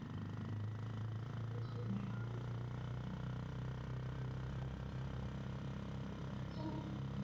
walivamia balozi mbili za kidiplomasia za Saudi Arabia nchini Iran na